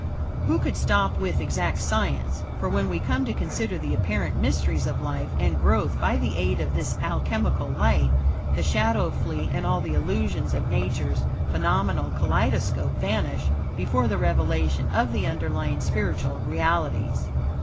Who could stop with exact science? For, when we come to consider the apparent mysteries of life and growth by the aid of this alchemical light, the shadows flee, and all the illusions of Nature's phenomenal kaleidoscope vanish before the revelation of the underlying spiritual realities.